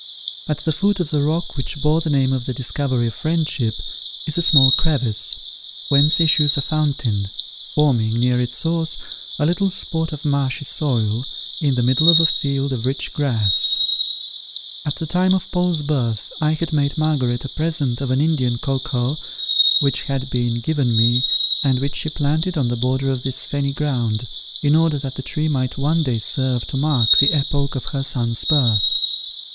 At the foot of the rock which bore the name of The Discovery of Friendship, is a small crevice, whence issues a fountain, forming, near its source, a little spot of marshy soil in the middle of a field of rich grass. At the time of Paul's birth I had made Margaret a present of an Indian cocoa which had been given me, and which she planted on the border of this fenny ground, in order that the tree might one day serve to mark the epoch of her son's birth.